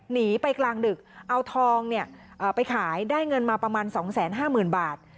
หนีไปกลางดึกเอาทองไปขายได้เงินมาประมาณ๒๕๐๐๐บาท